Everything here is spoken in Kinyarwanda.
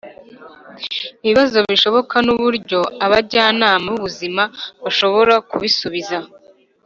Ibibazo bishoboka n uburyo abajyanama b ubuzima bashobora kubisubiza